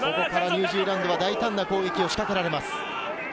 ニュージーランドは大胆な攻撃を仕掛けられます。